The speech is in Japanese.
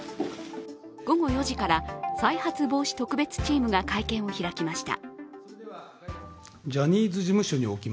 午後４時から、再発防止特別チームが会見を開きました。